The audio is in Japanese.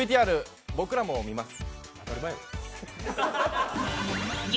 ＶＴＲ、僕らも見ます。